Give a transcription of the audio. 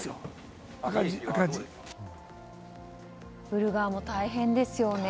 売る側も大変ですよね。